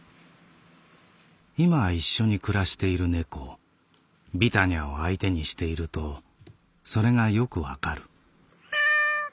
「いま一緒に暮らしている猫ビタニャを相手にしているとそれがよくわかる」。